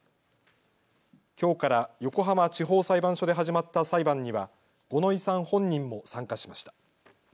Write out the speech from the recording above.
きょうから横浜地方裁判所で始まった裁判には五ノ井さん本人も参加しました。